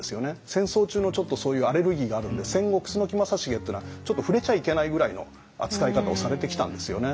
戦争中のちょっとそういうアレルギーがあるんで戦後楠木正成っていうのはちょっと触れちゃいけないぐらいの扱い方をされてきたんですよね。